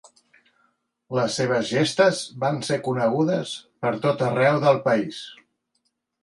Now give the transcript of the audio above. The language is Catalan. Les seves gestes van ser conegudes pertot arreu el país.